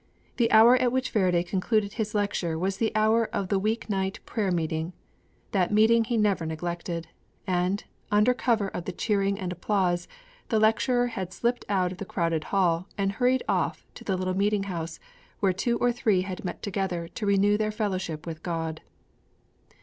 The hour at which Faraday concluded his lecture was the hour of the week night prayer meeting. That meeting he never neglected. And, under cover of the cheering and applause, the lecturer had slipped out of the crowded hall and hurried off to the little meeting house where two or three had met together to renew their fellowship with God.